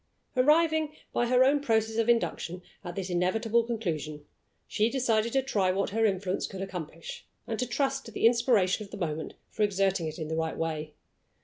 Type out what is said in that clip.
Arriving, by her own process of induction, at this inevitable conclusion, she decided to try what her influence could accomplish, and to trust to the inspiration of the moment for exerting it in the right way.